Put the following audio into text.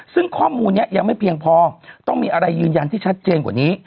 ซึ่งข้อมูลนี้ยังไม่เพียงพอต้องมีอะไรยืนยันที่ชัดเจนกว่านี้